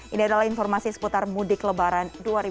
ini adalah informasi seputar mudik lebaran dua ribu dua puluh